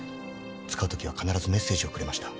使うときは必ずメッセージをくれました。